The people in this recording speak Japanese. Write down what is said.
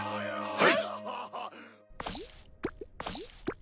はい！